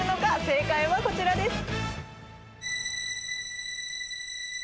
正解はこちらです。